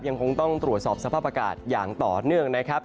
ยังคงต้องตรวจสอบสภาพอากาศอย่างต่อเนื่องนะครับ